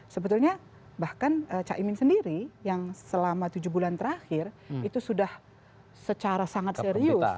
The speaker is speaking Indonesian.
sebetulnya bahkan caimin sendiri yang selama tujuh bulan terakhir itu sudah secara sangat serius